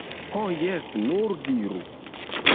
Ho jes, nur diru!